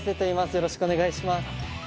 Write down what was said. よろしくお願いします。